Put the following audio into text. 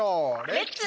レッツ！